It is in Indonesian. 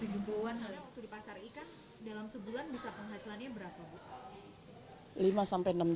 dalam sebulan bisa penghasilannya berapa